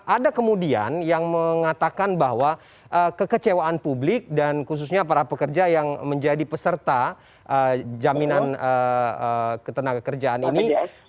ada kemudian yang mengatakan bahwa kekecewaan publik dan khususnya para pekerja yang menjadi peserta jaminan ketenaga kerjaan ini